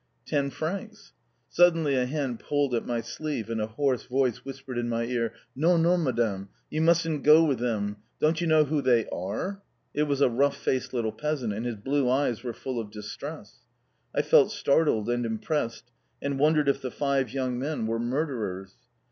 "Ten francs." Suddenly a hand pulled at my sleeve, and a hoarse voice whispered in my ear: "Non, non, Madam. You mustn't go with them. Don't you know who they are?" It was a rough faced little peasant, and his blue eyes were full of distress. I felt startled and impressed, and wondered if the five young men were murderers.